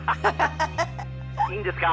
いいんですか？